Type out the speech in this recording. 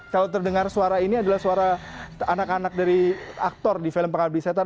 kalau terdengar suara ini adalah suara anak anak dari aktor di film pengabdi setan